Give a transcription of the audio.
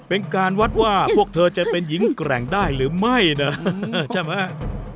เป็นการวัดว่าพวกเธอจะเป็นหญิงแกร่งได้หรือไม่นะใช่ไหม